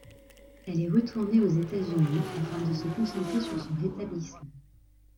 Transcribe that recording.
Elle est retournée aux États-Unis afin de se concentrer sur son rétablissement.